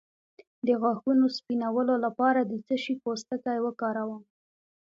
د غاښونو سپینولو لپاره د څه شي پوستکی وکاروم؟